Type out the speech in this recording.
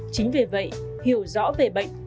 chính vì vậy hiểu rõ về bệnh